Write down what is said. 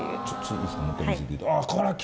ちょっといいですか？